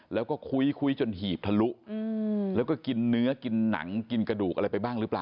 แล้วก็คุ้ยจนหีบทะลุแล้วก็กินเนื้อกินหนังกินกระดูกอะไรไปบ้างหรือเปล่า